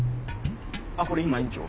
あっこれ今園長。